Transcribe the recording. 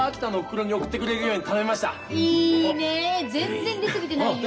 全然出過ぎてないよ。